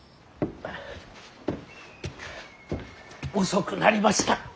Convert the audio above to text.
遅くなりました。